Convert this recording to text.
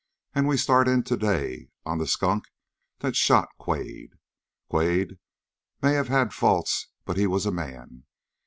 And we start in today on the skunk that shot Quade. Quade may have had faults, but he was a man.